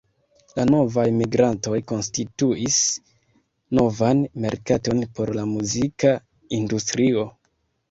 La novaj migrantoj konstituis novan merkaton por la muzika industrio.